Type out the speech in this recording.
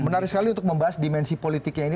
menarik sekali untuk membahas dimensi politiknya ini